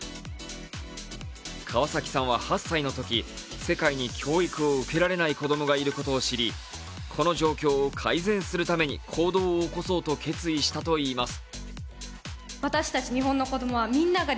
川崎さんは８歳のとき、世界に教育を受けられない子供がいることを知りこの状況を改善するために行動を起こそうと決意したといいます。